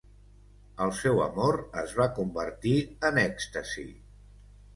El seu amor es va convertir en èxtasi.